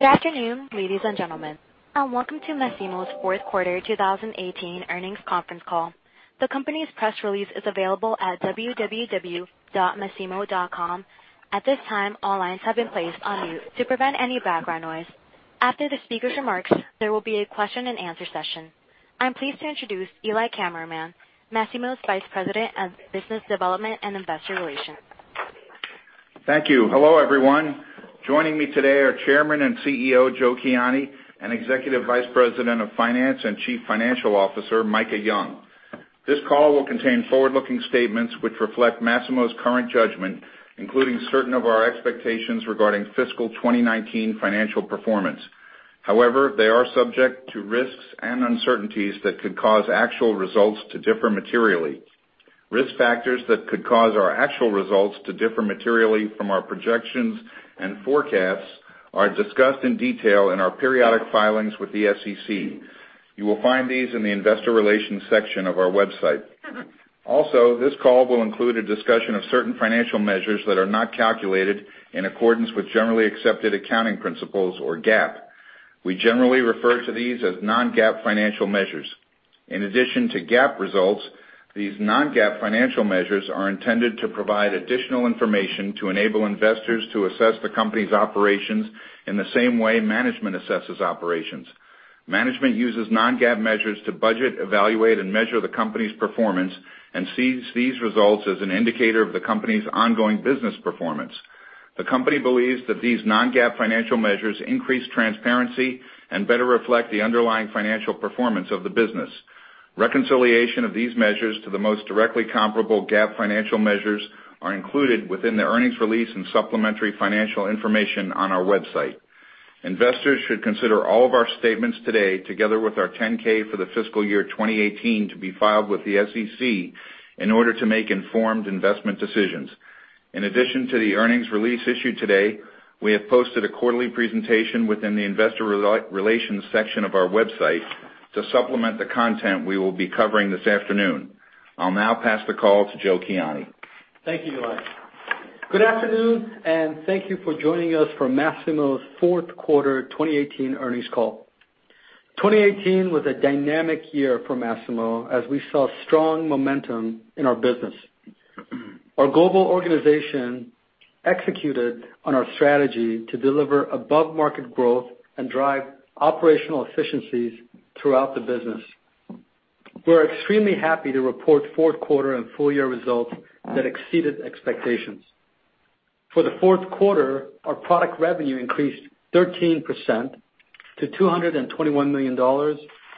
Good afternoon, ladies and gentlemen, welcome to Masimo's fourth quarter 2018 earnings conference call. The company's press release is available at www.masimo.com. At this time, all lines have been placed on mute to prevent any background noise. After the speaker's remarks, there will be a question and answer session. I am pleased to introduce Eli Kammerman, Masimo's Vice President of Business Development and Investor Relations. Thank you. Hello, everyone. Joining me today are Chairman and CEO, Joe Kiani, and Executive Vice President of Finance and Chief Financial Officer, Micah Young. This call will contain forward-looking statements which reflect Masimo's current judgment, including certain of our expectations regarding fiscal 2019 financial performance. They are subject to risks and uncertainties that could cause actual results to differ materially. Risk factors that could cause our actual results to differ materially from our projections and forecasts are discussed in detail in our periodic filings with the SEC. You will find these in the investor relations section of our website. This call will include a discussion of certain financial measures that are not calculated in accordance with generally accepted accounting principles or GAAP. We generally refer to these as non-GAAP financial measures. In addition to GAAP results, these non-GAAP financial measures are intended to provide additional information to enable investors to assess the company's operations in the same way management assesses operations. Management uses non-GAAP measures to budget, evaluate, and measure the company's performance and sees these results as an indicator of the company's ongoing business performance. The company believes that these non-GAAP financial measures increase transparency and better reflect the underlying financial performance of the business. Reconciliation of these measures to the most directly comparable GAAP financial measures are included within the earnings release and supplementary financial information on our website. Investors should consider all of our statements today, together with our 10-K for the fiscal year 2018, to be filed with the SEC in order to make informed investment decisions. In addition to the earnings release issued today, we have posted a quarterly presentation within the investor relations section of our website to supplement the content we will be covering this afternoon. I will now pass the call to Joe Kiani. Thank you, Eli. Good afternoon, and thank you for joining us for Masimo's fourth quarter 2018 earnings call. 2018 was a dynamic year for Masimo as we saw strong momentum in our business. Our global organization executed on our strategy to deliver above-market growth and drive operational efficiencies throughout the business. We're extremely happy to report fourth quarter and full-year results that exceeded expectations. For the fourth quarter, our product revenue increased 13% to $221 million,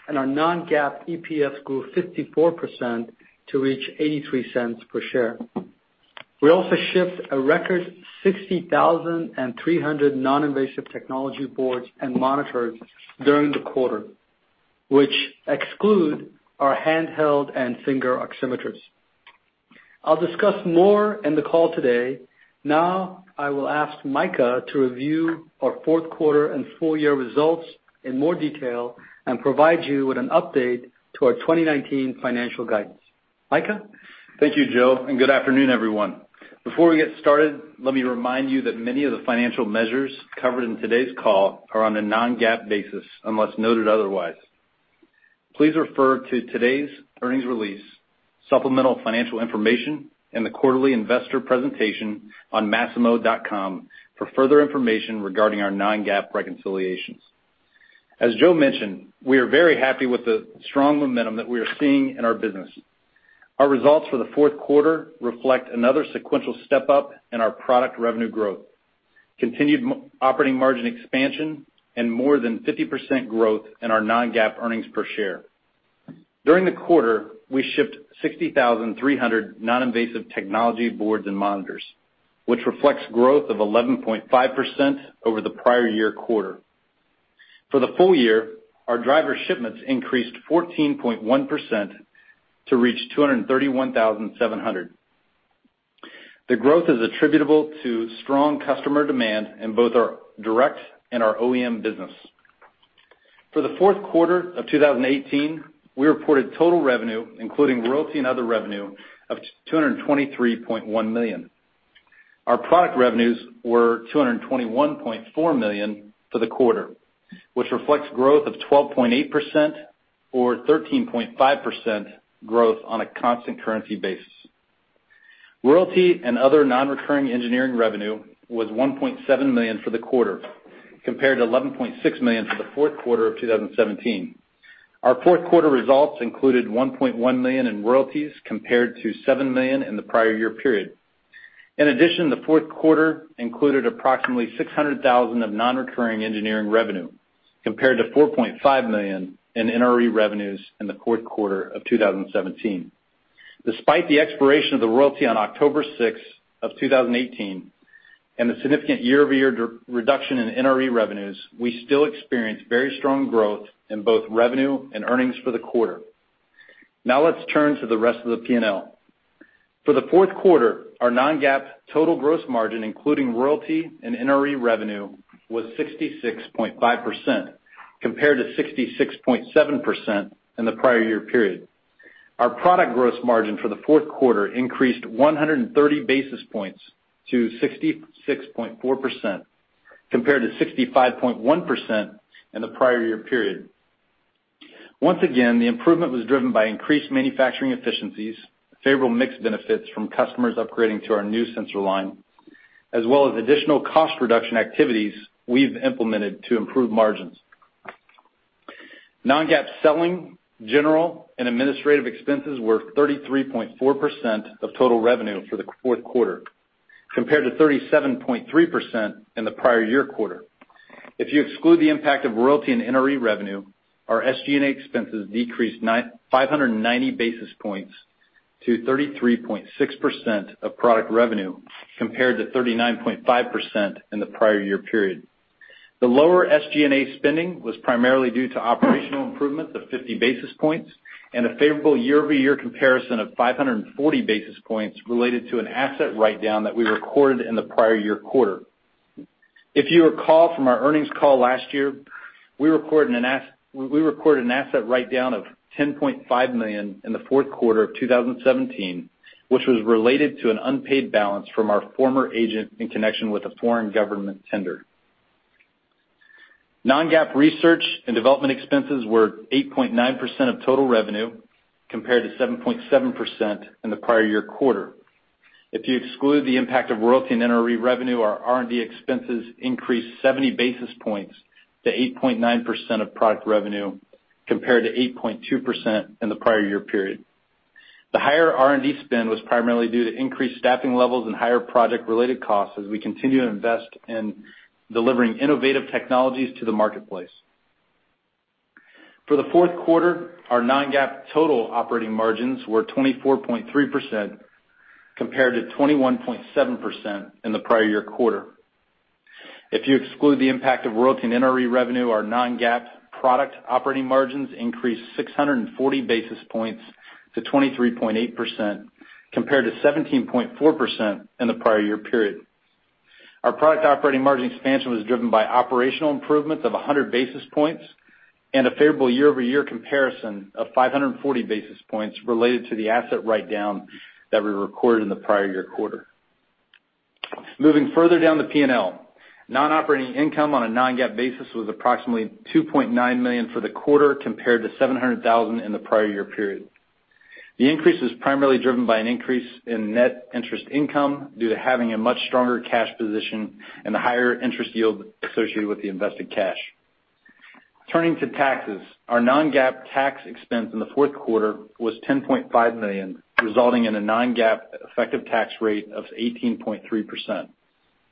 and our non-GAAP EPS grew 54% to reach $0.83 per share. We also shipped a record 60,300 non-invasive technology boards and monitors during the quarter, which exclude our handheld and finger oximeters. I'll discuss more in the call today. I will ask Micah to review our fourth quarter and full-year results in more detail and provide you with an update to our 2019 financial guidance. Micah? Thank you, Joe. Good afternoon, everyone. Before we get started, let me remind you that many of the financial measures covered in today's call are on a non-GAAP basis, unless noted otherwise. Please refer to today's earnings release, supplemental financial information, and the quarterly investor presentation on masimo.com for further information regarding our non-GAAP reconciliations. As Joe mentioned, we are very happy with the strong momentum that we are seeing in our business. Our results for the fourth quarter reflect another sequential step-up in our product revenue growth, continued operating margin expansion, and more than 50% growth in our non-GAAP earnings per share. During the quarter, we shipped 60,300 non-invasive technology boards and monitors, which reflects growth of 11.5% over the prior-year quarter. For the full-year, our driver shipments increased 14.1% to reach 231,700. The growth is attributable to strong customer demand in both our direct and our OEM business. For the fourth quarter of 2018, we reported total revenue, including royalty and other revenue, of $223.1 million. Our product revenues were $221.4 million for the quarter, which reflects growth of 12.8%, or 13.5% growth on a constant currency basis. Royalty and other non-recurring engineering revenue was $1.7 million for the quarter, compared to $11.6 million for the fourth quarter of 2017. Our fourth quarter results included $1.1 million in royalties, compared to $7 million in the prior-year period. In addition, the fourth quarter included approximately $600,000 of non-recurring engineering revenue, compared to $4.5 million in NRE revenues in the fourth quarter of 2017. Despite the expiration of the royalty on October 6th of 2018, and the significant year-over-year reduction in NRE revenues, we still experienced very strong growth in both revenue and earnings for the quarter. Let's turn to the rest of the P&L. For the fourth quarter, our non-GAAP total gross margin, including royalty and NRE revenue, was 66.5%, compared to 66.7% in the prior-year period. Our product gross margin for the fourth quarter increased 130 basis points to 66.4%, compared to 65.1% in the prior year period. Once again, the improvement was driven by increased manufacturing efficiencies, favorable mix benefits from customers upgrading to our new sensor line, as well as additional cost reduction activities we've implemented to improve margins. Non-GAAP selling, general, and administrative expenses were 33.4% of total revenue for the fourth quarter, compared to 37.3% in the prior year quarter. If you exclude the impact of royalty and NRE revenue, our SG&A expenses decreased 590 basis points to 33.6% of product revenue, compared to 39.5% in the prior year period. The lower SG&A spending was primarily due to operational improvements of 50 basis points and a favorable year-over-year comparison of 540 basis points related to an asset write-down that we recorded in the prior year quarter. If you recall from our earnings call last year, we recorded an asset write-down of $10.5 million in the fourth quarter of 2017, which was related to an unpaid balance from our former agent in connection with a foreign government tender. Non-GAAP research and development expenses were 8.9% of total revenue, compared to 7.7% in the prior year quarter. If you exclude the impact of royalty and NRE revenue, our R&D expenses increased 70 basis points to 8.9% of product revenue, compared to 8.2% in the prior year period. The higher R&D spend was primarily due to increased staffing levels and higher project-related costs as we continue to invest in delivering innovative technologies to the marketplace. For the fourth quarter, our non-GAAP total operating margins were 24.3%, compared to 21.7% in the prior year quarter. If you exclude the impact of royalty and NRE revenue, our non-GAAP product operating margins increased 640 basis points to 23.8%, compared to 17.4% in the prior year period. Our product operating margin expansion was driven by operational improvements of 100 basis points and a favorable year-over-year comparison of 540 basis points related to the asset write-down that we recorded in the prior year quarter. Moving further down the P&L, non-operating income on a non-GAAP basis was approximately $2.9 million for the quarter, compared to $700,000 in the prior year period. The increase is primarily driven by an increase in net interest income due to having a much stronger cash position and the higher interest yield associated with the invested cash. Turning to taxes, our non-GAAP tax expense in the fourth quarter was $10.5 million, resulting in a non-GAAP effective tax rate of 18.3%,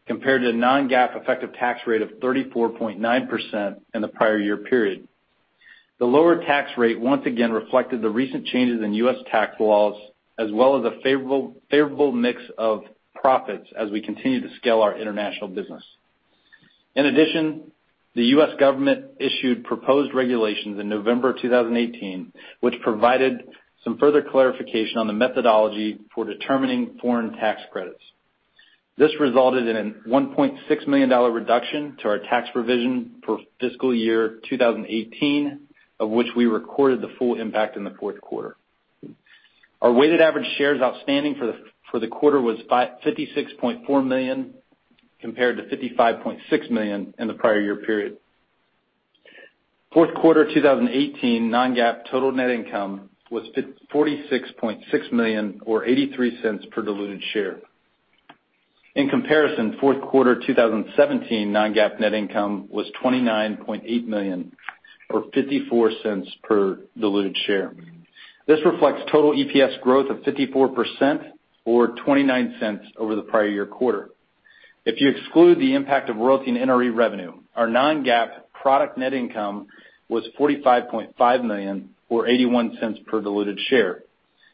compared to non-GAAP effective tax rate of 34.9% in the prior year period. The lower tax rate once again reflected the recent changes in U.S. tax laws, as well as a favorable mix of profits as we continue to scale our international business. In addition, the U.S. government issued proposed regulations in November 2018, which provided some further clarification on the methodology for determining foreign tax credits. This resulted in a $1.6 million reduction to our tax provision for fiscal year 2018, of which we recorded the full impact in the fourth quarter. Our weighted average shares outstanding for the quarter was 56.4 million, compared to 55.6 million in the prior year period. Fourth quarter 2018 non-GAAP total net income was $46.6 million, or $0.83 per diluted share. In comparison, fourth quarter 2017 non-GAAP net income was $29.8 million, or $0.54 per diluted share. This reflects total EPS growth of 54%, or $0.29 over the prior year quarter. If you exclude the impact of royalty and NRE revenue, our non-GAAP product net income was $45.5 million, or $0.81 per diluted share.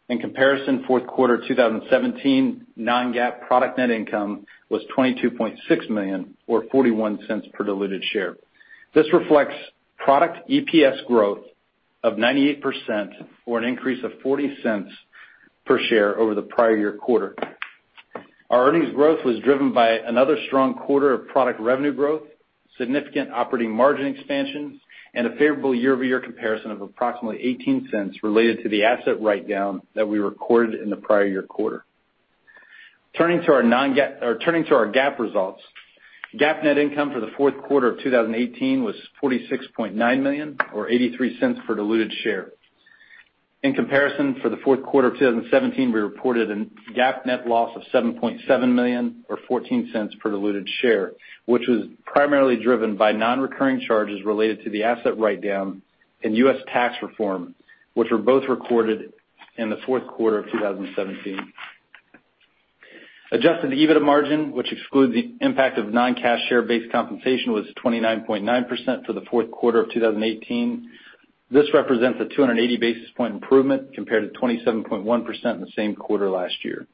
In comparison, fourth quarter 2017 non-GAAP product net income was $22.6 million, or $0.41 per diluted share. This reflects product EPS growth of 98%, or an increase of $0.40 per share over the prior year quarter. Our earnings growth was driven by another strong quarter of product revenue growth, significant operating margin expansions, and a favorable year-over-year comparison of approximately $0.18 related to the asset write-down that we recorded in the prior year quarter. Turning to our GAAP results, GAAP net income for the fourth quarter of 2018 was $46.9 million, or $0.83 per diluted share. In comparison, for the fourth quarter of 2017, we reported a GAAP net loss of $7.7 million, or $0.14 per diluted share, which was primarily driven by non-recurring charges related to the asset write-down and U.S. tax reform, which were both recorded in the fourth quarter of 2017. Adjusted EBITDA margin, which excludes the impact of non-cash share-based compensation, was 29.9% for the fourth quarter of 2018. This represents a 280 basis point improvement compared to 27.1% in the same quarter last year.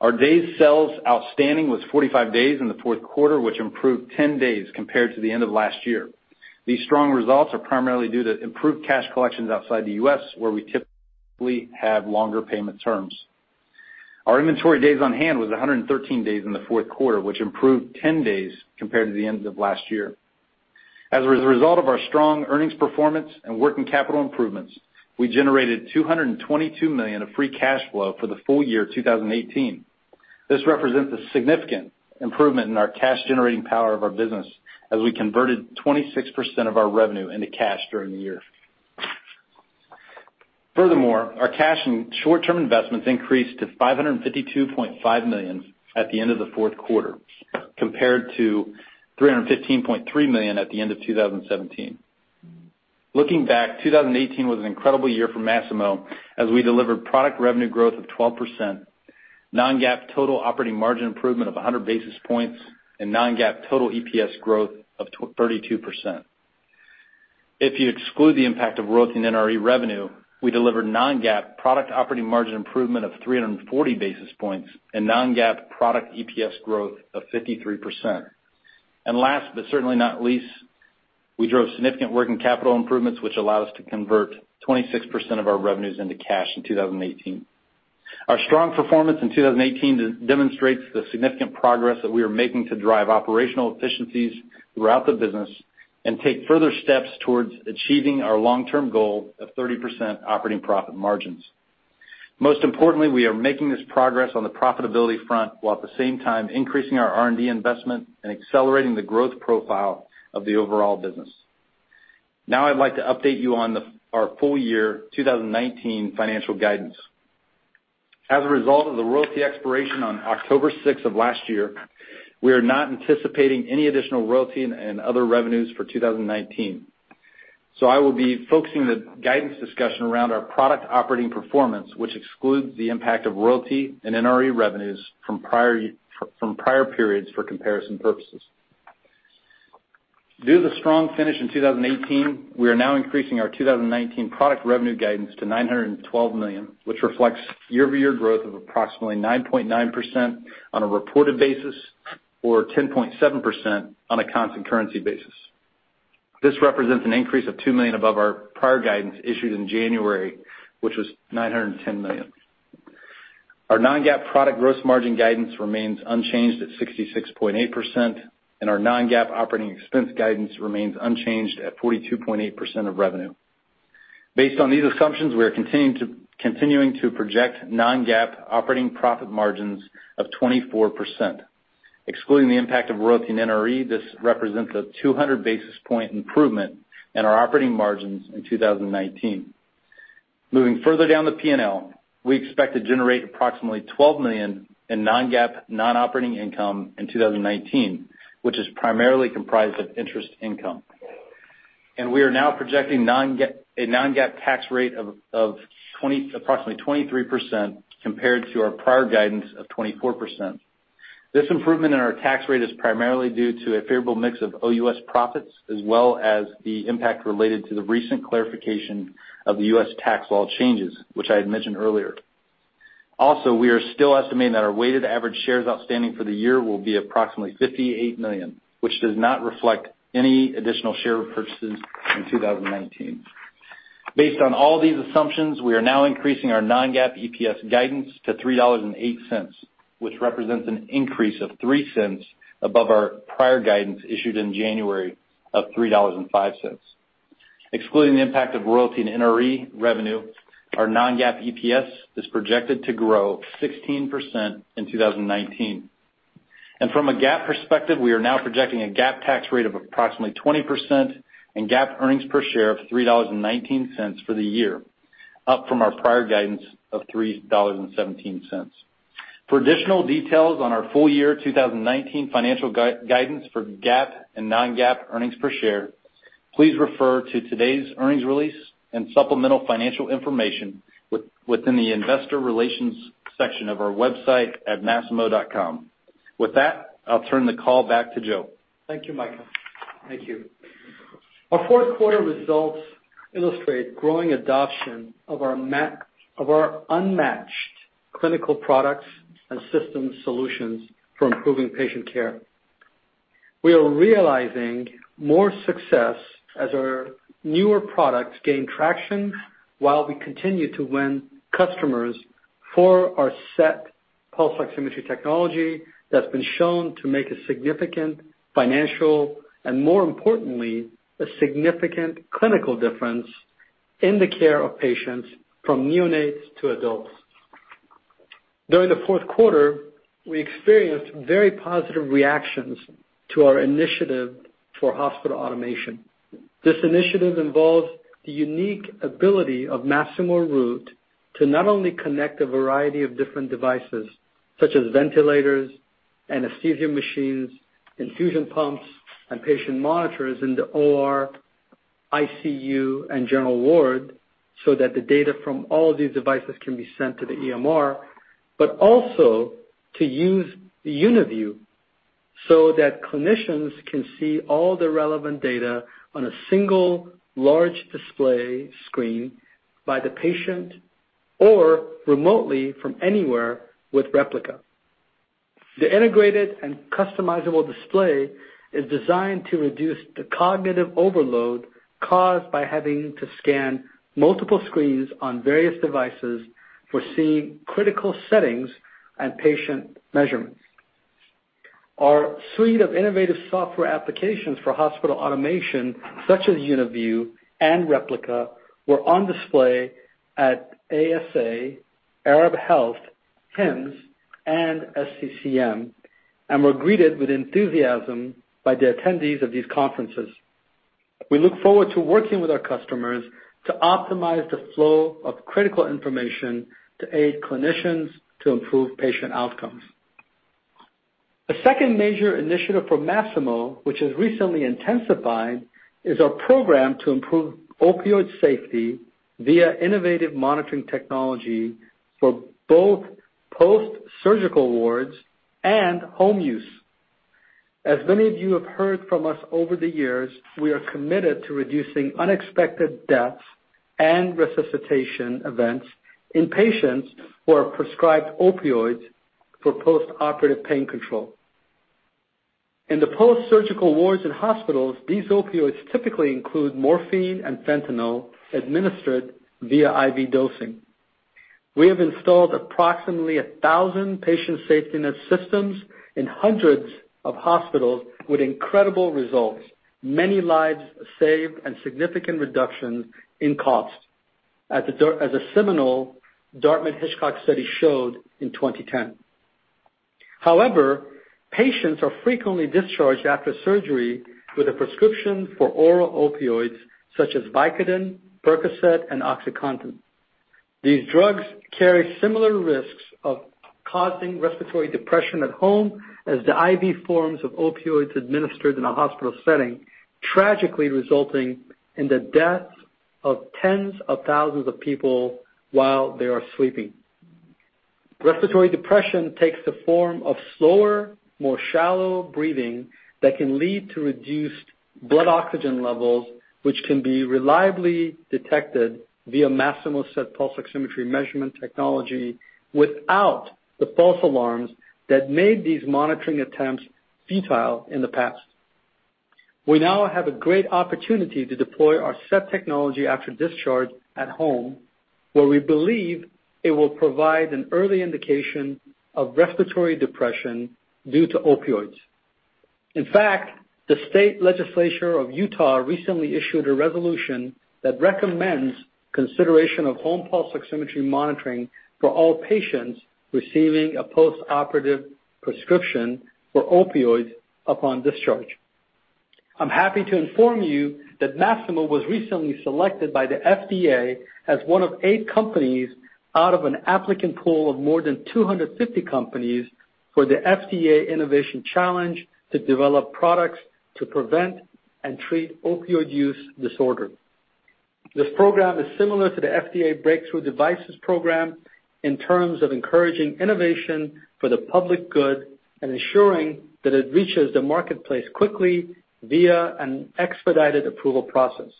Our days sales outstanding was 45 days in the fourth quarter, which improved 10 days compared to the end of last year. These strong results are primarily due to improved cash collections outside the U.S., where we typically have longer payment terms. Our inventory days on hand was 113 days in the fourth quarter, which improved 10 days compared to the end of last year. As a result of our strong earnings performance and working capital improvements, we generated $222 million of free cash flow for the full year 2018. This represents a significant improvement in our cash-generating power of our business as we converted 26% of our revenue into cash during the year. Furthermore, our cash and short-term investments increased to $552.5 million at the end of the fourth quarter, compared to $315.3 million at the end of 2017. Looking back, 2018 was an incredible year for Masimo as we delivered product revenue growth of 12%, non-GAAP total operating margin improvement of 100 basis points, and non-GAAP total EPS growth of 32%. If you exclude the impact of royalty and NRE revenue, we delivered non-GAAP product operating margin improvement of 340 basis points and non-GAAP product EPS growth of 53%. Last, but certainly not least, we drove significant working capital improvements, which allowed us to convert 26% of our revenues into cash in 2018. Our strong performance in 2018 demonstrates the significant progress that we are making to drive operational efficiencies throughout the business and take further steps towards achieving our long-term goal of 30% operating profit margins. Most importantly, we are making this progress on the profitability front, while at the same time increasing our R&D investment and accelerating the growth profile of the overall business. I'd like to update you on our full year 2019 financial guidance. As a result of the royalty expiration on October 6th of last year, we are not anticipating any additional royalty and other revenues for 2019. I will be focusing the guidance discussion around our product operating performance, which excludes the impact of royalty and NRE revenues from prior periods for comparison purposes. Due to the strong finish in 2018, we are now increasing our 2019 product revenue guidance to $912 million, which reflects year-over-year growth of approximately 9.9% on a reported basis or 10.7% on a constant currency basis. This represents an increase of $2 million above our prior guidance issued in January, which was $910 million. Our non-GAAP product gross margin guidance remains unchanged at 66.8%, and our non-GAAP operating expense guidance remains unchanged at 42.8% of revenue. Based on these assumptions, we are continuing to project non-GAAP operating profit margins of 24%. Excluding the impact of royalty and NRE, this represents a 200-basis point improvement in our operating margins in 2019. Moving further down the P&L, we expect to generate approximately $12 million in non-GAAP non-operating income in 2019, which is primarily comprised of interest income. We are now projecting a non-GAAP tax rate of approximately 23% compared to our prior guidance of 24%. This improvement in our tax rate is primarily due to a favorable mix of OUS profits as well as the impact related to the recent clarification of the U.S. tax law changes, which I had mentioned earlier. We are still estimating that our weighted average shares outstanding for the year will be approximately 58 million, which does not reflect any additional share purchases in 2019. Based on all these assumptions, we are now increasing our non-GAAP EPS guidance to $3.08, which represents an increase of $0.03 above our prior guidance issued in January of $3.05. Excluding the impact of royalty and NRE revenue, our non-GAAP EPS is projected to grow 16% in 2019. From a GAAP perspective, we are now projecting a GAAP tax rate of approximately 20% and GAAP earnings per share of $3.19 for the year, up from our prior guidance of $3.17. For additional details on our full year 2019 financial guidance for GAAP and non-GAAP earnings per share, please refer to today's earnings release and supplemental financial information within the investor relations section of our website at masimo.com. With that, I'll turn the call back to Joe. Thank you, Micah. Thank you. Our fourth quarter results illustrate growing adoption of our unmatched clinical products and system solutions for improving patient care. We are realizing more success as our newer products gain traction while we continue to win customers for our SET pulse oximetry technology that's been shown to make a significant financial and, more importantly, a significant clinical difference in the care of patients from neonates to adults. During the fourth quarter, we experienced very positive reactions to our initiative for hospital automation. This initiative involves the unique ability of Masimo Root to not only connect a variety of different devices such as ventilators, anesthesia machines, infusion pumps, and patient monitors in the OR, ICU, and general ward, so that the data from all of these devices can be sent to the EMR. To also use the UniView so that clinicians can see all the relevant data on a single large display screen by the patient or remotely from anywhere with Replica. The integrated and customizable display is designed to reduce the cognitive overload caused by having to scan multiple screens on various devices for seeing critical settings and patient measurements. Our suite of innovative software applications for hospital automation, such as UniView and Replica, were on display at ASA, Arab Health, HIMSS, and SCCM, and were greeted with enthusiasm by the attendees of these conferences. We look forward to working with our customers to optimize the flow of critical information to aid clinicians to improve patient outcomes. A second major initiative for Masimo, which has recently intensified, is our program to improve opioid safety via innovative monitoring technology for both post-surgical wards and home use. As many of you have heard from us over the years, we are committed to reducing unexpected deaths and resuscitation events in patients who are prescribed opioids for postoperative pain control. In the post-surgical wards in hospitals, these opioids typically include morphine and fentanyl administered via IV dosing. We have installed approximately 1,000 Patient SafetyNet systems in hundreds of hospitals with incredible results, many lives saved, and significant reductions in cost, as a seminal Dartmouth-Hitchcock study showed in 2010. However, patients are frequently discharged after surgery with a prescription for oral opioids such as Vicodin, PERCOCET, and OxyContin. These drugs carry similar risks of causing respiratory depression at home as the IV forms of opioids administered in a hospital setting, tragically resulting in the deaths of tens of thousands of people while they are sleeping. Respiratory depression takes the form of slower, more shallow breathing that can lead to reduced blood oxygen levels, which can be reliably detected via Masimo's SET pulse oximetry measurement technology without the false alarms that made these monitoring attempts futile in the past. We now have a great opportunity to deploy our SET technology after discharge at home, where we believe it will provide an early indication of respiratory depression due to opioids. In fact, the state legislature of Utah recently issued a resolution that recommends consideration of home pulse oximetry monitoring for all patients receiving a postoperative prescription for opioids upon discharge. I'm happy to inform you that Masimo was recently selected by the FDA as one of eight companies out of an applicant pool of more than 250 companies for the FDA Innovation Challenge: Devices to Prevent and Treat Opioid Use Disorder. This program is similar to the FDA Breakthrough Devices Program in terms of encouraging innovation for the public good and ensuring that it reaches the marketplace quickly via an expedited approval process.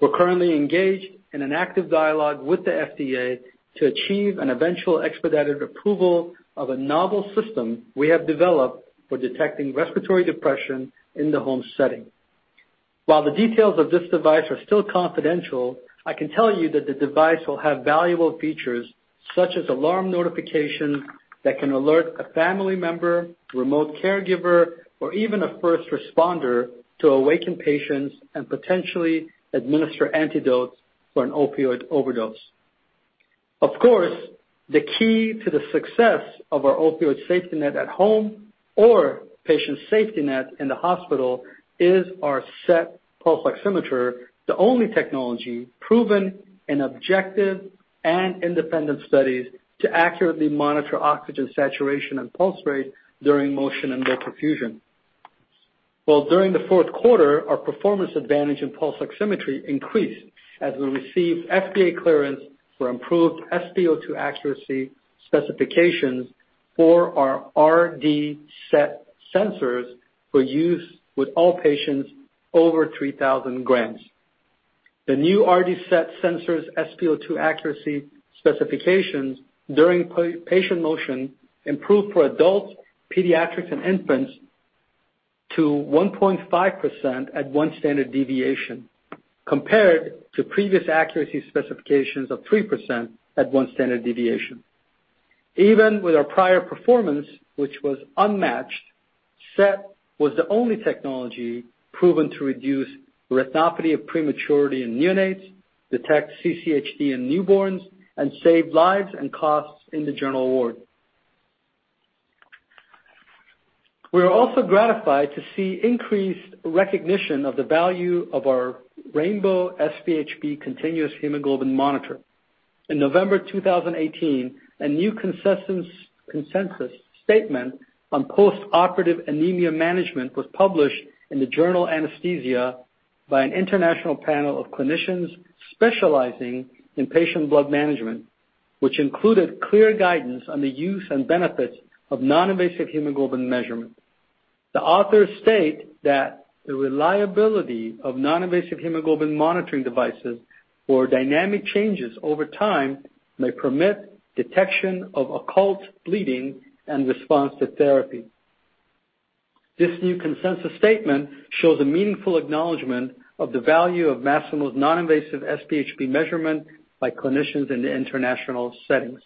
We're currently engaged in an active dialogue with the FDA to achieve an eventual expedited approval of a novel system we have developed for detecting respiratory depression in the home setting. While the details of this device are still confidential, I can tell you that the device will have valuable features such as alarm notification that can alert a family member, remote caregiver, or even a first responder to awaken patients and potentially administer antidote for an opioid overdose. Of course, the key to the success of our opioid safety net at home or Patient SafetyNet in the hospital is our SET pulse oximeter, the only technology proven in objective and independent studies to accurately monitor oxygen saturation and pulse rate during motion and low perfusion. Well, during the fourth quarter, our performance advantage in pulse oximetry increased as we received FDA clearance for improved SpO2 accuracy specifications for our RD SET sensors for use with all patients over 3,000 grams. The new RD SET sensor's SpO2 accuracy specifications during patient motion improved for adults, pediatrics, and infants to 1.5% at one standard deviation, compared to previous accuracy specifications of 3% at one standard deviation. Even with our prior performance, which was unmatched, SET was the only technology proven to reduce retinopathy of prematurity in neonates, detect CCHD in newborns, and save lives and costs in the general ward. We are also gratified to see increased recognition of the value of our Rainbow SpHb continuous hemoglobin monitor. In November 2018, a new consensus statement on postoperative anemia management was published in the journal Anaesthesia by an international panel of clinicians specializing in patient blood management, which included clear guidance on the use and benefits of noninvasive hemoglobin measurement. The authors state that the reliability of noninvasive hemoglobin monitoring devices for dynamic changes over time may permit detection of occult bleeding and response to therapy. This new consensus statement shows a meaningful acknowledgment of the value of Masimo's noninvasive SpHb measurement by clinicians in the international settings.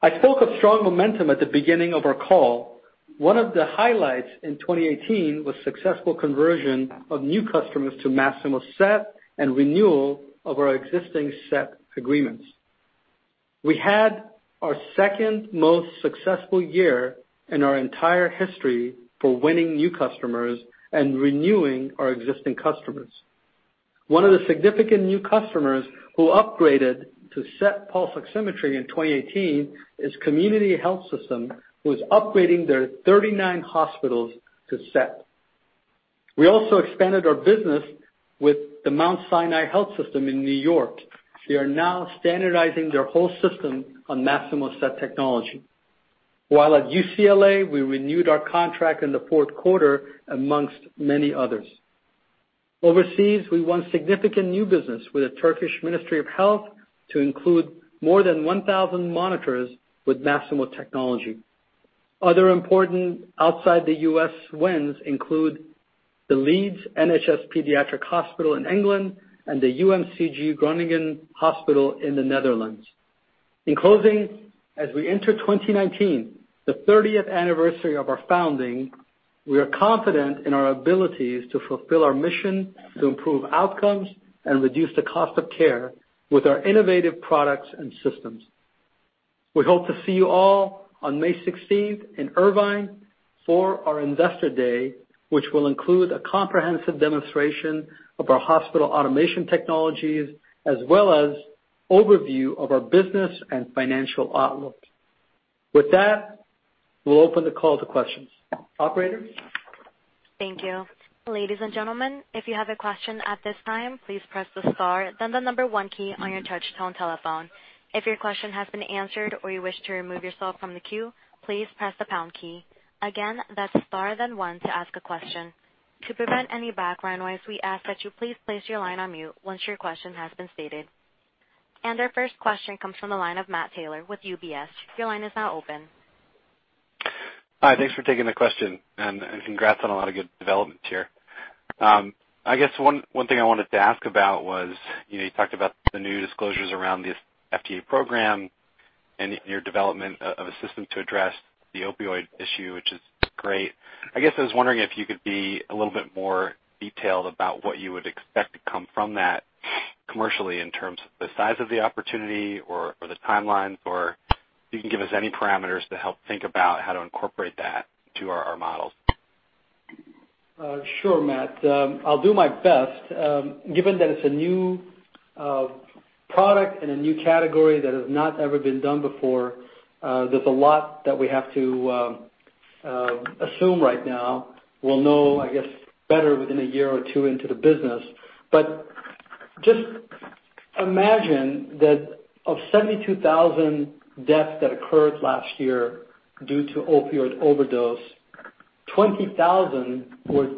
I spoke of strong momentum at the beginning of our call. One of the highlights in 2018 was successful conversion of new customers to Masimo SET and renewal of our existing SET agreements. We had our second-most successful year in our entire history for winning new customers and renewing our existing customers. One of the significant new customers who upgraded to SET pulse oximetry in 2018 is Community Health Systems, who is upgrading their 39 hospitals to SET. We also expanded our business with the Mount Sinai Health System in New York. They are now standardizing their whole system on Masimo SET technology. While at UCLA, we renewed our contract in the fourth quarter, amongst many others. Overseas, we won significant new business with the Turkish Ministry of Health to include more than 1,000 monitors with Masimo technology. Other important outside the U.S. wins include the Leeds Children's Hospital in England and the UMCG Groningen Hospital in the Netherlands. In closing, as we enter 2019, the 30th anniversary of our founding, we are confident in our abilities to fulfill our mission to improve outcomes and reduce the cost of care with our innovative products and systems. We hope to see you all on May 16th in Irvine for our Investor Day, which will include a comprehensive demonstration of our hospital automation technologies, as well as overview of our business and financial outlook. With that, we'll open the call to questions. Operator? Thank you. Ladies and gentlemen, if you have a question at this time, please press the star then the number 1 key on your touch-tone telephone. If your question has been answered or you wish to remove yourself from the queue, please press the pound key. Again, that's star then one to ask a question. To prevent any background noise, we ask that you please place your line on mute once your question has been stated. Our first question comes from the line of Matt Taylor with UBS. Your line is now open. Hi. Thanks for taking the question. Congrats on a lot of good developments here. I guess one thing I wanted to ask about was, you talked about the new disclosures around the FDA program and your development of a system to address the opioid issue, which is great. I guess I was wondering if you could be a little bit more detailed about what you would expect to come from that commercially in terms of the size of the opportunity or the timelines, or if you can give us any parameters to help think about how to incorporate that to our models. Sure, Matt. I'll do my best. Given that it's a new product and a new category that has not ever been done before, there's a lot that we have to assume right now. We'll know, I guess, better within a year or two into the business. Just imagine that of 72,000 deaths that occurred last year due to opioid overdose, 20,000 were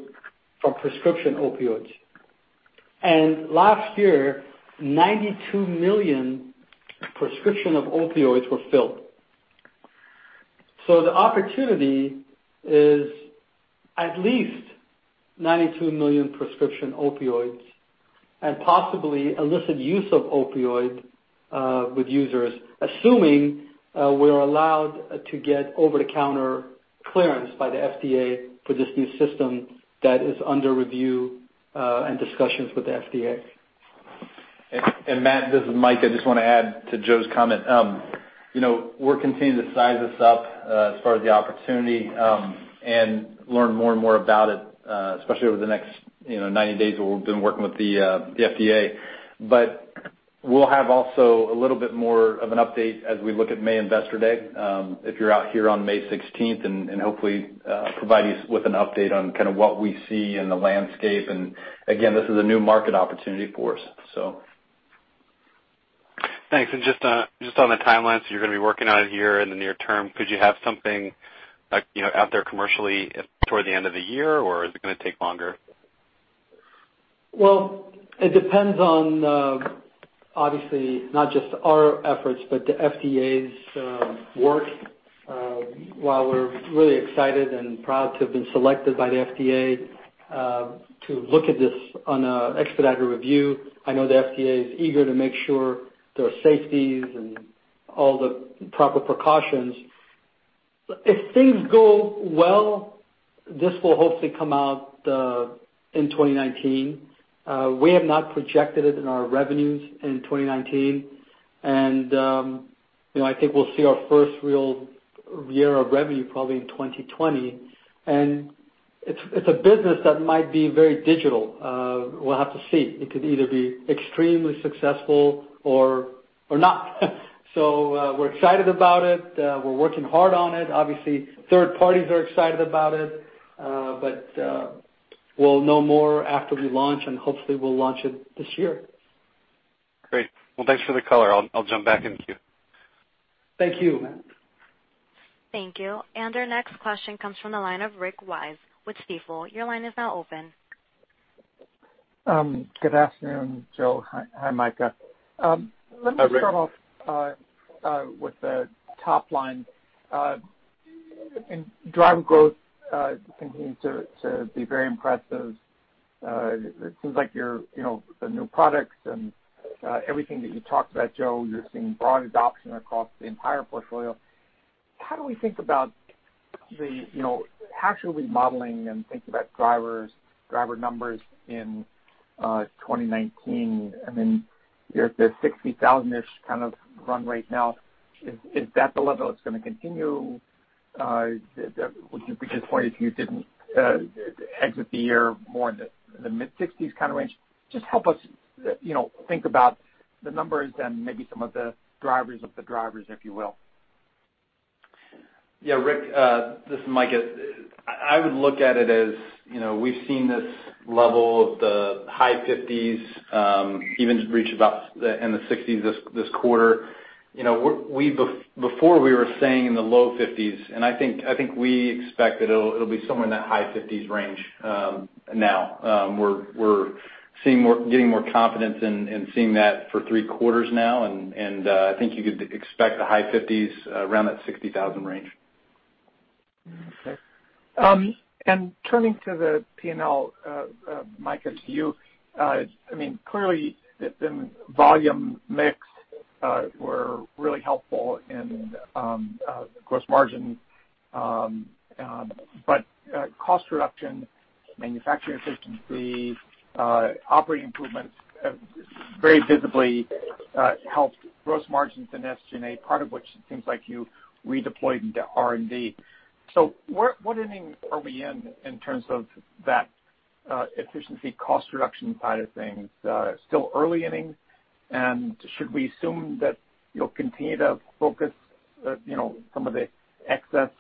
from prescription opioids. Last year, 92 million prescription of opioids were filled. The opportunity is at least 92 million prescription opioids and possibly illicit use of opioid with users, assuming we're allowed to get over-the-counter clearance by the FDA for this new system that is under review and discussions with the FDA. Matt, this is Micah. I just want to add to Joe's comment. We're continuing to size this up as far as the opportunity and learn more and more about it, especially over the next 90 days where we've been working with the FDA. We'll have also a little bit more of an update as we look at May investor day if you're out here on May 16th, and hopefully provide you with an update on what we see in the landscape. Again, this is a new market opportunity for us. Thanks. Just on the timelines, you're going to be working on it here in the near term. Could you have something out there commercially toward the end of the year, or is it going to take longer? Well, it depends on, obviously, not just our efforts, but the FDA's work. While we're really excited and proud to have been selected by the FDA to look at this on an expedited review, I know the FDA is eager to make sure there are safeties and all the proper precautions. If things go well, this will hopefully come out in 2019. We have not projected it in our revenues in 2019. I think we'll see our first real year of revenue probably in 2020. It's a business that might be very digital. We'll have to see. It could either be extremely successful or not. We're excited about it. We're working hard on it. Obviously, third parties are excited about it. We'll know more after we launch, and hopefully we'll launch it this year. Great. Well, thanks for the color. I'll jump back in the queue. Thank you. Thank you. Our next question comes from the line of Rick Wise with Stifel. Your line is now open. Good afternoon, Joe. Hi, Micah. Hi, Rick. Let me start off with the top line. Driver growth continued to be very impressive. It seems like the new products and everything that you talked about, Joe, you're seeing broad adoption across the entire portfolio. How should we be modeling and thinking about driver numbers in 2019? Then you're at the 60,000-ish kind of run rate now. Is that the level it's going to continue? Would you be disappointed if you didn't exit the year more in the mid-60s kind of range? Just help us think about the numbers and maybe some of the drivers of the drivers, if you will. Yeah, Rick, this is Micah. I would look at it as we've seen this level of the high 50s even reach about in the 60s this quarter. Before we were saying in the low 50s, I think we expect that it'll be somewhere in that high 50s range now. We're getting more confidence in seeing that for three quarters now, I think you could expect the high 50s around that 60,000 range. Okay. Turning to the P&L, Micah, to you. Clearly the volume mix were really helpful in gross margin. Cost reduction, manufacturing efficiency, operating improvements have very visibly helped gross margins and SG&A, part of which it seems like you redeployed into R&D. What inning are we in terms of that efficiency cost reduction side of things? Still early innings? Should we assume that you'll continue to focus some of the excess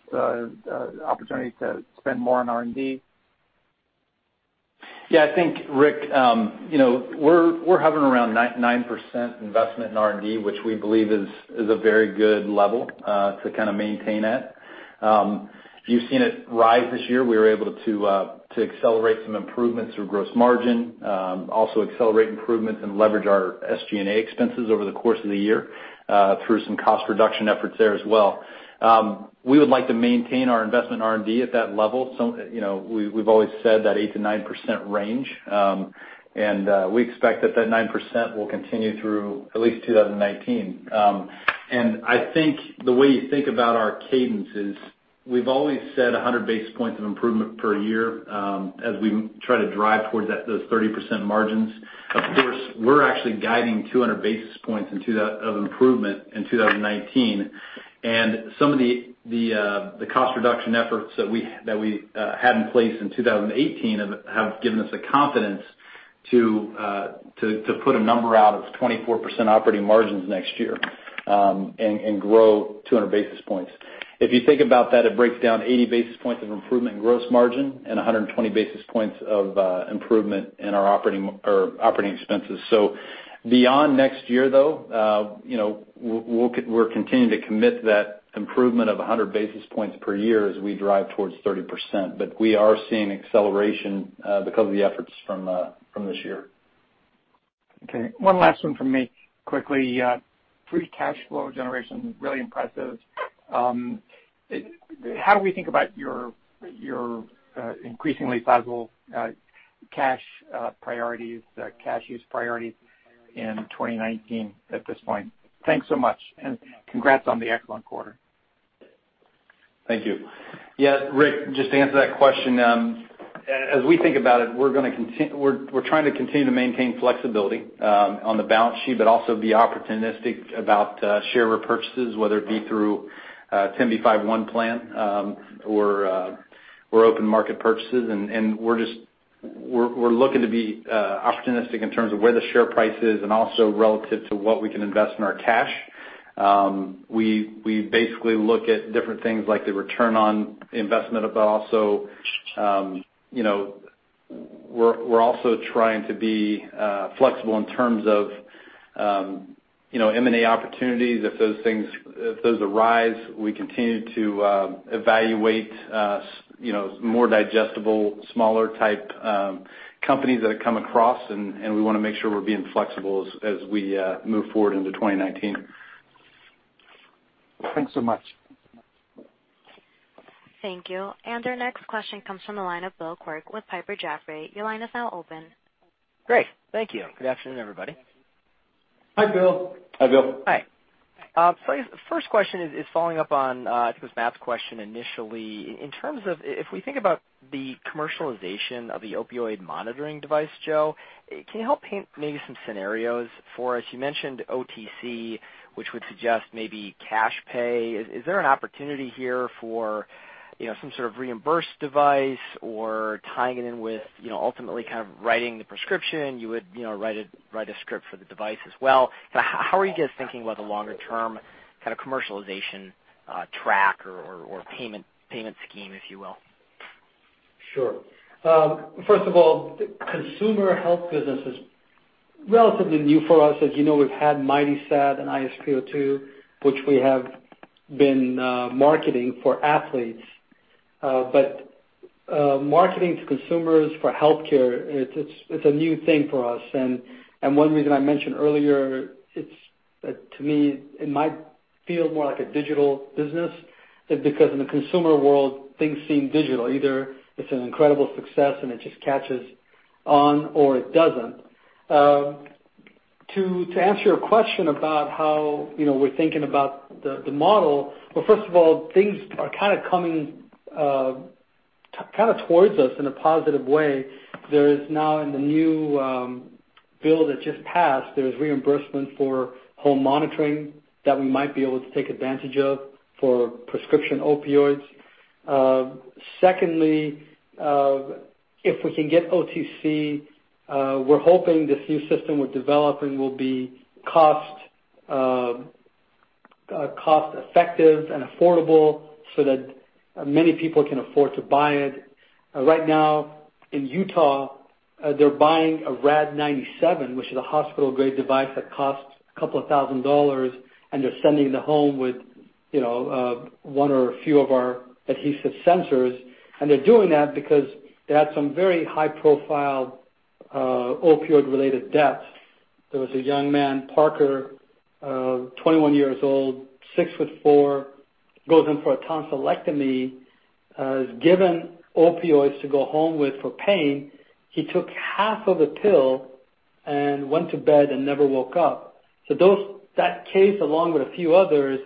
opportunity to spend more on R&D? Yeah, I think, Rick, we're hovering around 9% investment in R&D, which we believe is a very good level to kind of maintain at. You've seen it rise this year. We were able to accelerate some improvements through gross margin, also accelerate improvements and leverage our SG&A expenses over the course of the year through some cost reduction efforts there as well. We would like to maintain our investment in R&D at that level. We've always said that 8%-9% range. We expect that 9% will continue through at least 2019. I think the way you think about our cadence is we've always said 100 basis points of improvement per year as we try to drive towards those 30% margins. Of course, we're actually guiding 200 basis points of improvement in 2019. Some of the cost reduction efforts that we had in place in 2018 have given us the confidence to put a number out of 24% operating margins next year and grow 200 basis points. If you think about that, it breaks down 80 basis points of improvement in gross margin and 120 basis points of improvement in our operating expenses. Beyond next year, though, we're continuing to commit to that improvement of 100 basis points per year as we drive towards 30%. We are seeing acceleration because of the efforts from this year. Okay. One last one from me quickly. Free cash flow generation, really impressive. How do we think about your increasingly plausible cash use priorities in 2019 at this point? Thanks so much, and congrats on the excellent quarter. Thank you. Yeah, Rick, just to answer that question. As we think about it, we're trying to continue to maintain flexibility on the balance sheet, but also be opportunistic about share repurchases, whether it be through 10b5-1 plan or open market purchases. We're looking to be opportunistic in terms of where the share price is and also relative to what we can invest in our cash. We basically look at different things like the return on investment, but we're also trying to be flexible in terms of M&A opportunities. If those arise, we continue to evaluate more digestible, smaller type companies that have come across, and we want to make sure we're being flexible as we move forward into 2019. Thanks so much. Thank you. Our next question comes from the line of Bill Quirk with Piper Jaffray. Your line is now open. Great. Thank you. Good afternoon, everybody. Hi, Bill. Hi, Bill. Hi. First question is following up on, I think it was Matt's question initially. If we think about the commercialization of the opioid monitoring device, Joe, can you help paint maybe some scenarios for us? You mentioned OTC, which would suggest maybe cash pay. Is there an opportunity here for some sort of reimbursed device or tying it in with ultimately kind of writing the prescription? You would write a script for the device as well. How are you guys thinking about the longer-term kind of commercialization track or payment scheme, if you will? Sure. First of all, the consumer health business is relatively new for us. As you know, we've had MightySat and iSpO2, which we have been marketing for athletes. Marketing to consumers for healthcare, it's a new thing for us. One reason I mentioned earlier, to me, it might feel more like a digital business, because in the consumer world, things seem digital. Either it's an incredible success and it just catches on, or it doesn't. To answer your question about how we're thinking about the model. First of all, things are coming towards us in a positive way. There is now, in the new bill that just passed, there's reimbursement for home monitoring that we might be able to take advantage of for prescription opioids. Secondly, if we can get OTC, we're hoping this new system we're developing will be cost-effective and affordable so that many people can afford to buy it. Right now in Utah, they're buying a Rad-97, which is a hospital-grade device that costs a couple of thousand dollars, and they're sending it home with one or a few of our adhesive sensors. They're doing that because they had some very high-profile opioid-related deaths. There was a young man, Parker, 21 years old, six foot four, goes in for a tonsillectomy, is given opioids to go home with for pain. He took half of a pill and went to bed and never woke up. That case, along with a few others,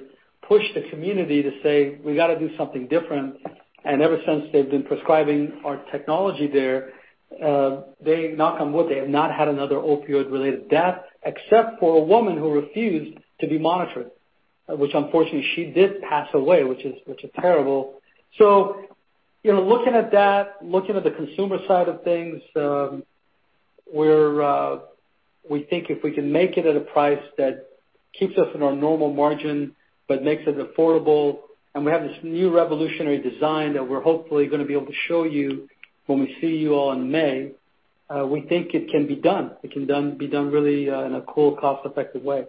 pushed the community to say, "We've got to do something different." Ever since, they've been prescribing our technology there. Knock on wood, they have not had another opioid-related death, except for a woman who refused to be monitored, which unfortunately she did pass away, which is terrible. Looking at that, looking at the consumer side of things, we think if we can make it at a price that keeps us in our normal margin but makes it affordable, and we have this new revolutionary design that we're hopefully going to be able to show you when we see you all in May, we think it can be done. It can be done really in a cool, cost-effective way.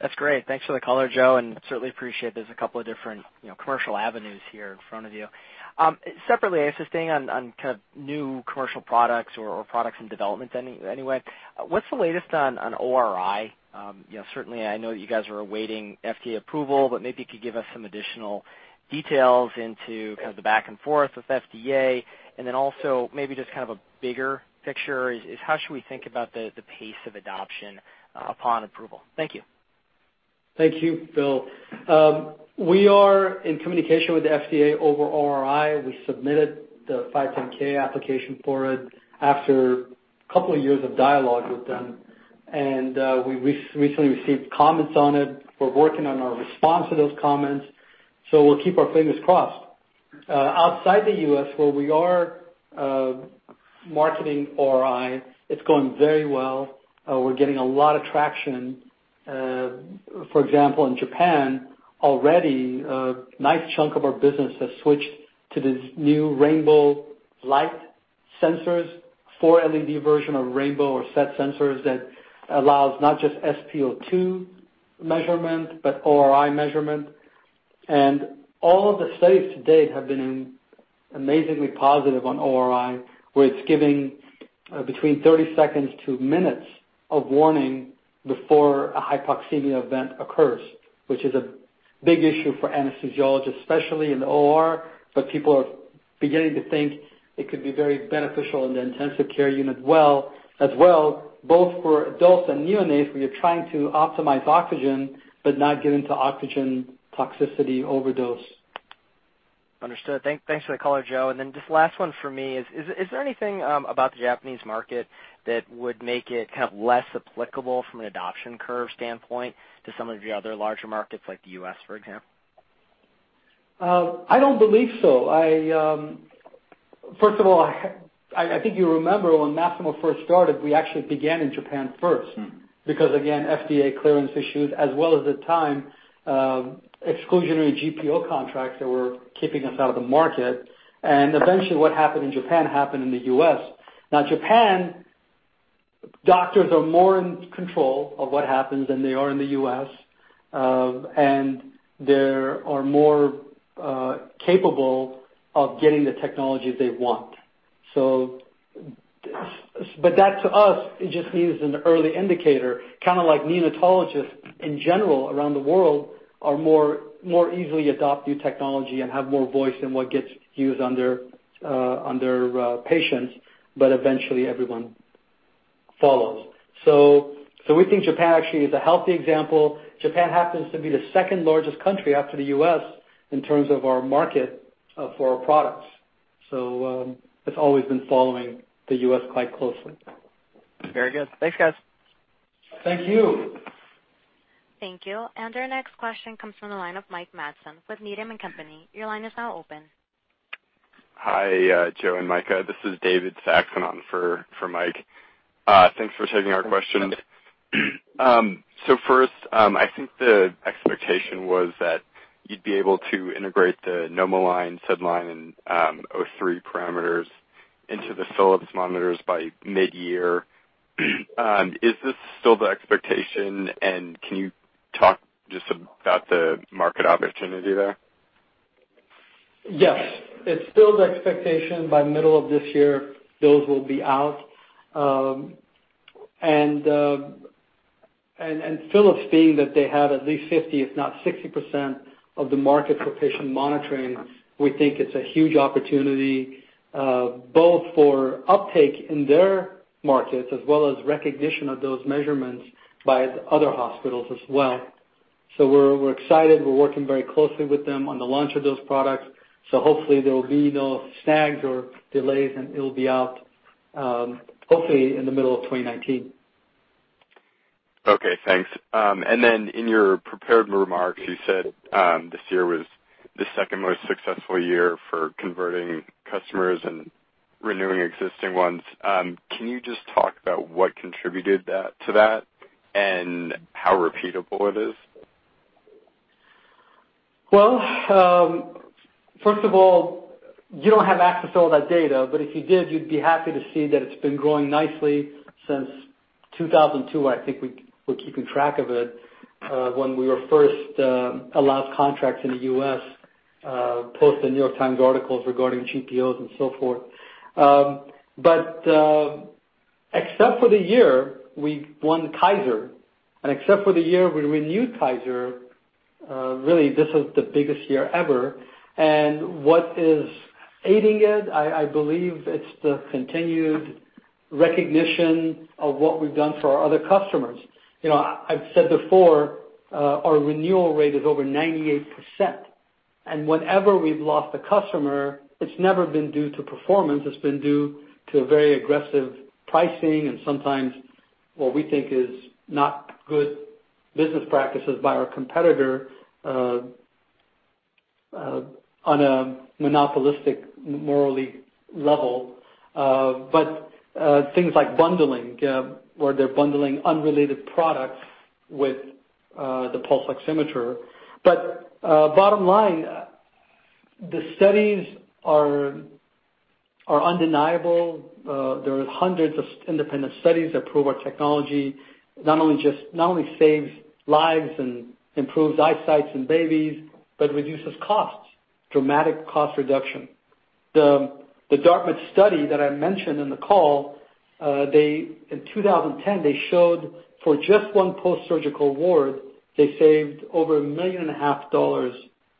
That's great. Thanks for the color, Joe, certainly appreciate there's a couple of different commercial avenues here in front of you. Separately, just staying on new commercial products or products in development anyway, what's the latest on ORi? Certainly, I know you guys are awaiting FDA approval, maybe you could give us some additional details into kind of the back and forth with FDA, also maybe just a bigger picture is how should we think about the pace of adoption upon approval? Thank you. Thank you, Bill. We are in communication with the FDA over ORi. We submitted the 510(k) application for it after a couple of years of dialogue with them. We recently received comments on it. We're working on our response to those comments, so we'll keep our fingers crossed. Outside the U.S., where we are marketing ORi, it's going very well. We're getting a lot of traction. For example, in Japan already, a nice chunk of our business has switched to these new rainbow light sensors, four LED version of rainbow or SET sensors that allows not just SpO2 measurement, but ORi measurement. All of the studies to date have been amazingly positive on ORi, where it's giving between 30 seconds to minutes of warning before a hypoxemia event occurs, which is a big issue for anesthesiologists, especially in the OR. People are beginning to think it could be very beneficial in the intensive care unit as well, both for adults and neonates, where you're trying to optimize oxygen but not get into oxygen toxicity overdose. Understood. Thanks for the color, Joe. Just last one from me is there anything about the Japanese market that would make it less applicable from an adoption curve standpoint to some of the other larger markets like the U.S., for example? I don't believe so. First of all, I think you remember when Masimo first started, we actually began in Japan first because, again, FDA clearance issues, as well as at the time, exclusionary GPO contracts that were keeping us out of the market. Eventually, what happened in Japan happened in the U.S. Now, Japan, doctors are more in control of what happens than they are in the U.S., and they are more capable of getting the technology they want. That to us, it just means an early indicator, kind of like neonatologists in general around the world more easily adopt new technology and have more voice in what gets used on their patients, but eventually everyone follows. We think Japan actually is a healthy example. Japan happens to be the second largest country after the U.S. in terms of our market for our products. It's always been following the U.S. quite closely. Very good. Thanks, guys. Thank you. Thank you. Our next question comes from the line of Mike Matson with Needham & Company. Your line is now open. Hi Joe and Micah. This is David Saxon on for Mike. Thanks for taking our question. First, I think the expectation was that you'd be able to integrate the NomoLine, SedLine, and O3 parameters into the Philips monitors by mid-year. Is this still the expectation, and can you talk just about the market opportunity there? Yes. It's still the expectation by middle of this year, those will be out. Philips being that they have at least 50, if not 60% of the market for patient monitoring, we think it's a huge opportunity, both for uptake in their markets as well as recognition of those measurements by other hospitals as well. We're excited. We're working very closely with them on the launch of those products, so hopefully there will be no snags or delays, and it'll be out, hopefully in the middle of 2019. Okay, thanks. In your prepared remarks, you said, this year was the second most successful year for converting customers and renewing existing ones. Can you just talk about what contributed to that and how repeatable it is? Well, first of all, you don't have access to all that data, but if you did, you'd be happy to see that it's been growing nicely since 2002, I think we're keeping track of it, when we were first allowed contracts in the U.S., post The New York Times articles regarding GPOs and so forth. Except for the year we won Kaiser, and except for the year we renewed Kaiser, really this is the biggest year ever. What is aiding it, I believe it's the continued recognition of what we've done for our other customers. I've said before, our renewal rate is over 98%. Whenever we've lost a customer, it's never been due to performance, it's been due to very aggressive pricing and sometimes what we think is not good business practices by our competitor on a monopolistic morally level. Things like bundling, where they're bundling unrelated products with the pulse oximeter. Bottom line, the studies are undeniable. There are hundreds of independent studies that prove our technology not only saves lives and improves eyesight in babies, but reduces costs, dramatic cost reduction. The Dartmouth study that I mentioned in the call, in 2010, they showed for just one post-surgical ward, they saved over a million and a half dollars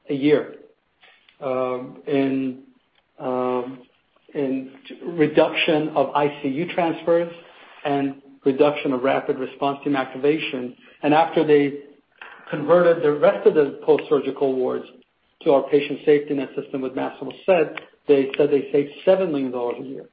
a year in reduction of ICU transfers and reduction of rapid response team activation. After they converted the rest of the post-surgical wards to our Patient SafetyNet system with Masimo SET, they said they saved $7 million a year.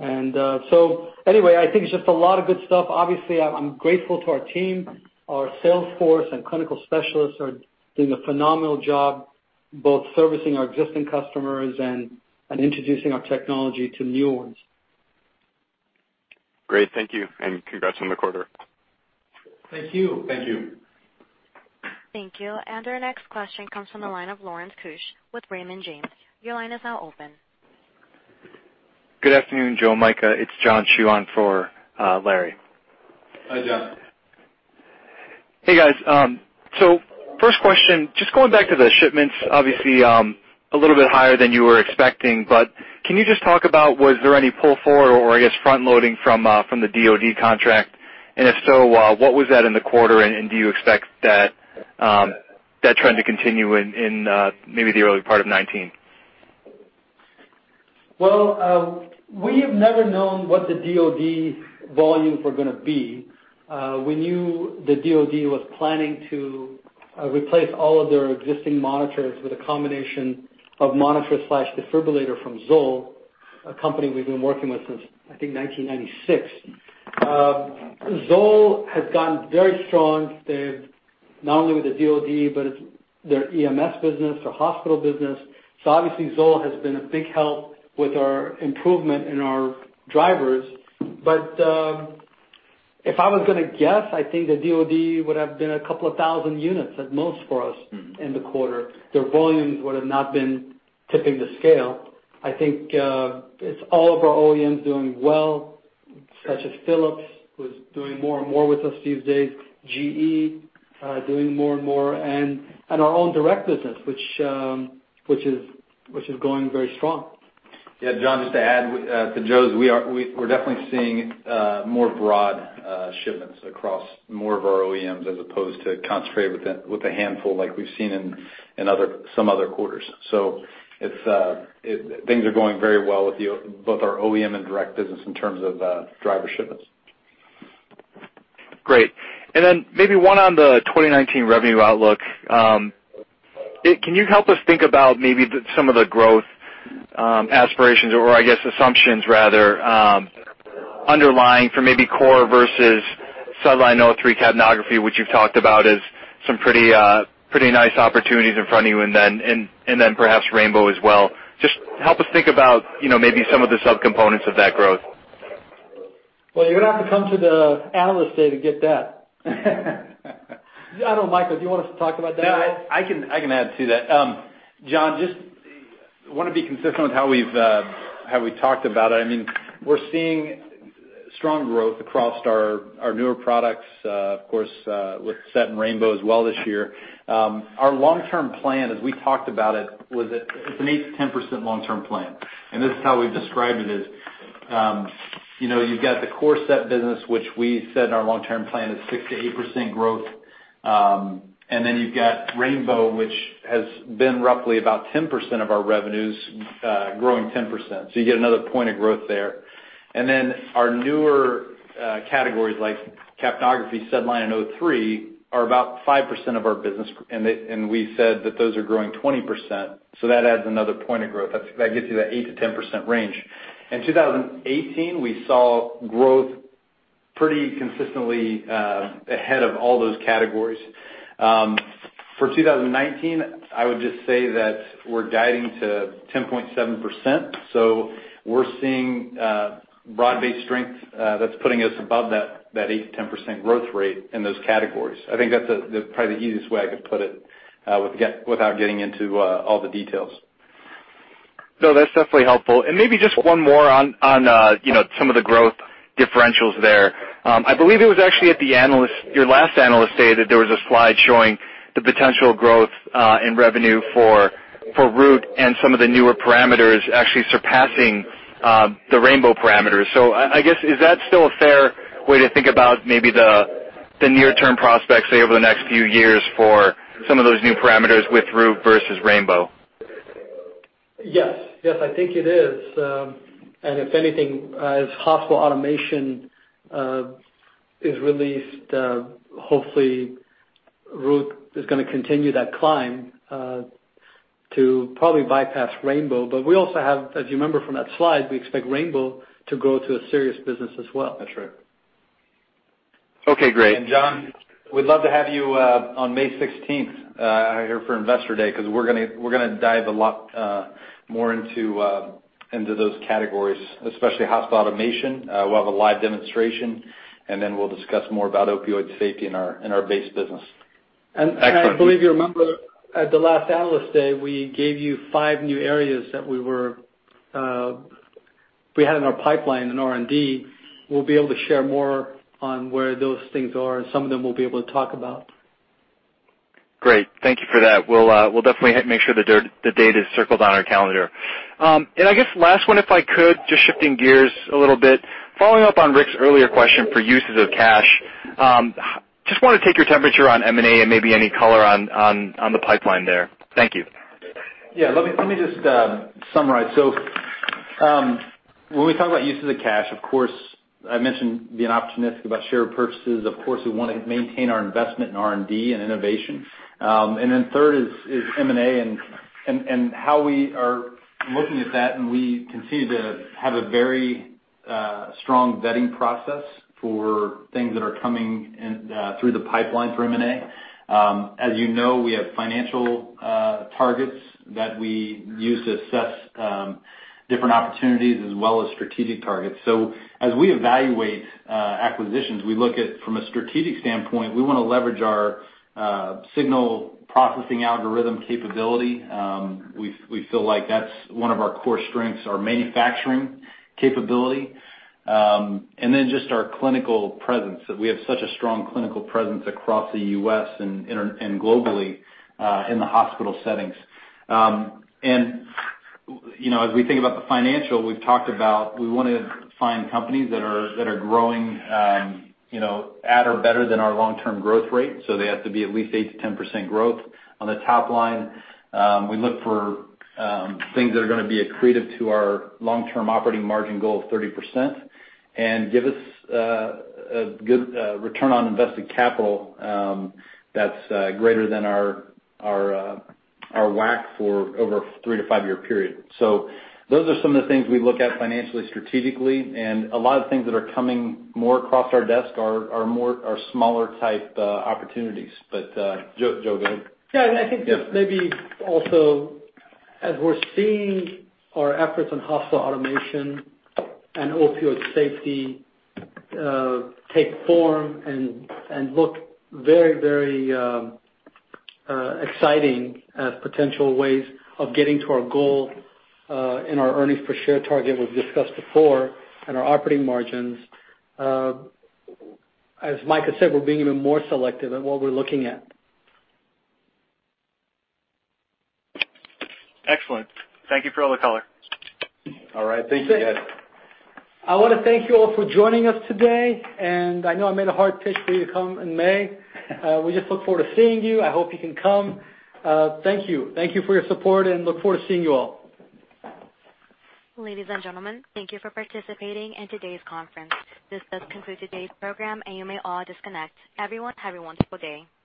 Anyway, I think it's just a lot of good stuff. Obviously, I'm grateful to our team. Our sales force and clinical specialists are doing a phenomenal job, both servicing our existing customers and introducing our technology to new ones. Great. Thank you, and congrats on the quarter. Thank you. Thank you. Our next question comes from the line of Lawrence Keusch with Raymond James. Your line is now open. Good afternoon, Joe, Micah. It's John Hsu for Larry. Hi, John. Hey, guys. First question, just going back to the shipments, obviously, a little bit higher than you were expecting, but can you just talk about was there any pull for or I guess front-loading from the DoD contract? And if so, what was that in the quarter, and do you expect that trend to continue in maybe the early part of 2019? Well, we have never known what the DoD volumes were going to be. We knew the DoD was planning to replace all of their existing monitors with a combination of monitor/defibrillator from Zoll, a company we've been working with since, I think, 1996. Zoll has gotten very strong, not only with the DoD, but their EMS business, their hospital business. Obviously Zoll has been a big help with our improvement in our drivers. But if I was going to guess, I think the DoD would have been a couple of thousand units at most for us in the quarter. Their volumes would have not been tipping the scale. I think it's all of our OEMs doing well, such as Philips, who's doing more and more with us these days, GE doing more and more, and our own direct business, which is going very strong. Yeah, John, just to add to Joe's, we're definitely seeing more broad shipments across more of our OEMs as opposed to concentrated with a handful like we've seen in some other quarters. Things are going very well with both our OEM and direct business in terms of driver shipments. Great. Then maybe one on the 2019 revenue outlook. Can you help us think about maybe some of the growth aspirations or I guess assumptions rather, underlying for maybe core versus SedLine O3 capnography, which you've talked about as some pretty nice opportunities in front of you, and then perhaps rainbow as well. Just help us think about maybe some of the subcomponents of that growth. Well, you're going to have to come to the Analyst Day to get that. I don't know, Micah, do you want us to talk about that at all? No, I can add to that. John, just want to be consistent with how we've talked about it. We're seeing strong growth across our newer products, of course, with SET and rainbow as well this year. Our long-term plan, as we talked about it's an 8%-10% long-term plan. This is how we've described it, is you've got the core SET business, which we said in our long-term plan is 6%-8% growth. Then you've got rainbow, which has been roughly about 10% of our revenues, growing 10%. You get another point of growth there. Then our newer categories like capnography, SedLine, and O3 are about 5% of our business, and we said that those are growing 20%, so that adds another point of growth. That gets you that 8%-10% range. In 2018, we saw growth pretty consistently ahead of all those categories. For 2019, I would just say that we're guiding to 10.7%, we're seeing broad-based strength that's putting us above that 8%-10% growth rate in those categories. I think that's probably the easiest way I could put it without getting into all the details. No, that's definitely helpful. Maybe just one more on some of the growth differentials there. I believe it was actually at your last Analyst Day that there was a slide showing the potential growth in revenue for Root and some of the newer parameters actually surpassing the rainbow parameters. I guess, is that still a fair way to think about maybe the near-term prospects, say, over the next few years for some of those new parameters with Root versus rainbow? Yes. Yes, I think it is. If anything, as hospital automation is released, hopefully Root is going to continue that climb to probably bypass rainbow. We also have, as you remember from that slide, we expect rainbow to grow to a serious business as well. That's right. Okay, great. John, we'd love to have you on May 16th here for Investor Day, we're going to dive a lot more into those categories, especially hospital automation. We'll have a live demonstration, we'll discuss more about opioid safety in our base business. I believe you remember at the last Analyst Day, we gave you five new areas that we had in our pipeline in R&D. We'll be able to share more on where those things are, some of them we'll be able to talk about. Great. Thank you for that. We'll definitely make sure the date is circled on our calendar. I guess last one, if I could, just shifting gears a little bit. Following up on Rick's earlier question for uses of cash, just want to take your temperature on M&A and maybe any color on the pipeline there. Thank you. Yeah, let me just summarize. When we talk about uses of cash, of course, I mentioned being optimistic about share purchases. Of course, we want to maintain our investment in R&D and innovation. Then third is M&A and how we are looking at that. We continue to have a very strong vetting process for things that are coming through the pipeline for M&A. As you know, we have financial targets that we use to assess different opportunities as well as strategic targets. As we evaluate acquisitions, we look at, from a strategic standpoint, we want to leverage our signal processing algorithm capability. We feel like that's one of our core strengths, our manufacturing capability. Then just our clinical presence, that we have such a strong clinical presence across the U.S. and globally in the hospital settings. As we think about the financial, we've talked about, we want to find companies that are growing at or better than our long-term growth rate, so they have to be at least 8%-10% growth on the top line. We look for things that are going to be accretive to our long-term operating margin goal of 30% and give us a good return on invested capital that's greater than our WACC for over a three- to five-year period. Those are some of the things we look at financially, strategically, and a lot of things that are coming more across our desk are smaller type opportunities. Joe, go ahead. Yeah, I think just maybe also as we're seeing our efforts on hospital automation and opioid safety take form and look very exciting as potential ways of getting to our goal in our earnings per share target we've discussed before and our operating margins, as Mike has said, we're being even more selective in what we're looking at. Excellent. Thank you for all the color. All right. Thank you, guys. I want to thank you all for joining us today. I know I made a hard pitch for you to come in May. We just look forward to seeing you. I hope you can come. Thank you. Thank you for your support and look forward to seeing you all. Ladies and gentlemen, thank you for participating in today's conference. This does conclude today's program. You may all disconnect. Everyone, have a wonderful day.